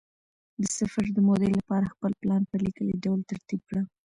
د سفر د مودې لپاره خپل پلان په لیکلي ډول ترتیب کړه.